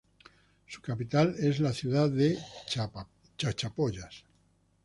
Su capital es la ciudad de Chachapoyas.